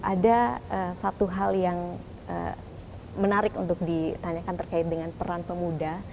ada satu hal yang menarik untuk ditanyakan terkait dengan peran pemuda